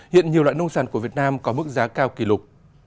hiện nhiều loại nông sản của việt nam có mức giá cao kỷ lục